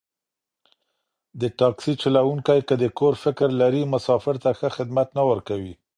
د تاکسي چلوونکی که د کور فکر لري، مسافر ته ښه خدمت نه ورکوي.